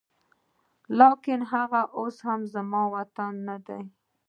لاکن هغه اوس زما وطن نه دی